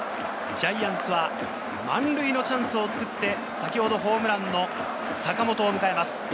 ジャイアンツは、満塁のチャンスを作って、先ほどホームランの坂本を迎えます。